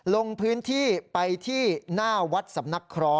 ลงพื้นที่ไปที่หน้าวัดสำนักคล้อ